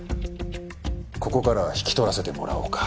ここからは引き取らせてもらおうか。